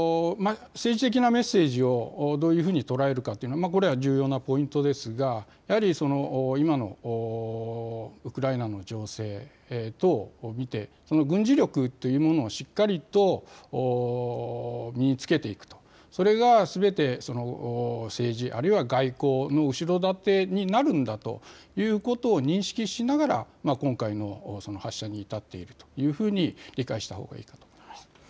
政治的なメッセージをどういうふうに捉えるかというのは重要なポイントですが、やはり今のウクライナの情勢等を見て、軍事力というものをしっかりと身につけていくと、それがすべて政治あるいは外交の後ろ盾になるんだということを認識しながら今回の発射に至っているというふうに理解したほうがいいかと思います。